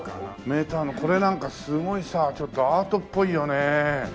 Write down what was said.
メーターのこれなんかすごいさちょっとアートっぽいよね